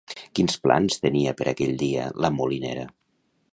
Quins plans tenia per aquell dia la molinera?